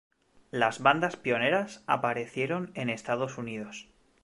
Las bandas pioneras aparecieron en Estados Unidos.